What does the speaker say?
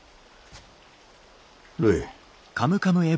るい？